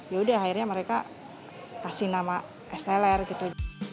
yaudah akhirnya mereka kasih nama es teler gitu